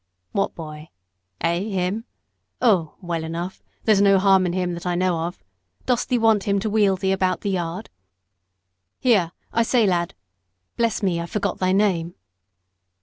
"What boy? eh, him? Oh, well enough there's no harm in him that I know of. Dost thee want him to wheel thee about the yard? Here, I say, lad bless me! I've forgot thy name."